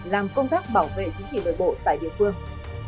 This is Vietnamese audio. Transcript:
làm công tác bảo vệ chính trị nội bộ tại địa phương